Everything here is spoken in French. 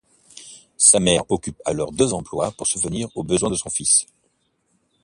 Sa mère occupe alors deux emplois pour subvenir aux besoins de son fils.